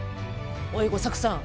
おい吾作さん。